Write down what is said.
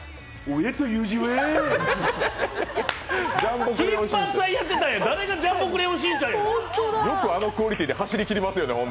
親という字は金八さんやってたんや、誰がクレヨンしんちゃんやよくあのクオリティーで走りきりますよね。